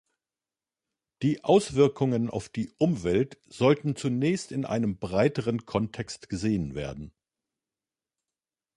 Die Auswirkungen auf die Umwelt sollten zunächst in einem breiteren Kontext gesehen werden.